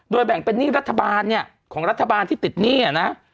แบ่งเป็นหนี้รัฐบาลเนี่ยของรัฐบาลที่ติดหนี้นะ